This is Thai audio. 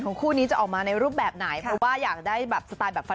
แล้วชุดเบื้อชุดเจ้าสาวเหรอ